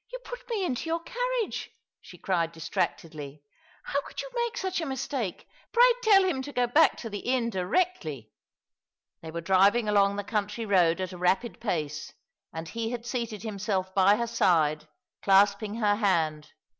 " You put me into your carriage !" she; cried distractedly. " How could you make such a mistake ? Pray tell him to go back to the inn directly." They were driving along the country road at a rapid pace, and he had seated himself by her side, clasping her hand.